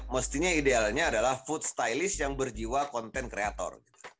mestinya idealnya adalah food stylist yang berjiwa content creator